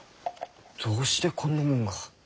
どうしてこんなもんが。